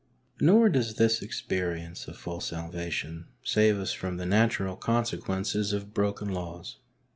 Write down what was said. Nor does this experience of full salvation save us from the natural consequences of broken laws.